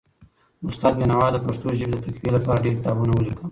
استاد بینوا د پښتو ژبې د تقويي لپاره ډېر کتابونه ولیکل.